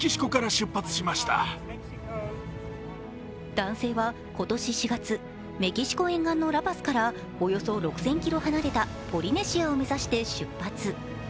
男性は今年４月、メキシコ沿岸のラパスからおよそ６０００ｋｍ離れたポリネシアを目指して出発。